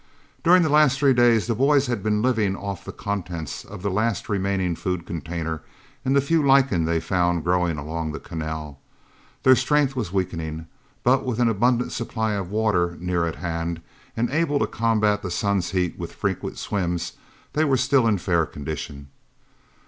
During the last three days the boys had been living off the contents of the last remaining food container and the few lichens they found growing along the canal. Their strength was weakening, but with an abundant supply of water near at hand and able to combat the sun's heat with frequent swims, they were still in fair condition.